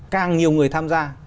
càng nhiều người tham gia